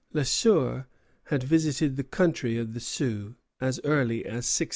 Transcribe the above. Le Sueur had visited the country of the Sioux as early as 1683.